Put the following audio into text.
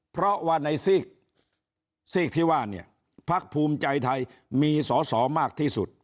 เพราะว่าในซีกที่ว่าเนี่ยพักภูมิใจไทยมีสอสอมากที่สุด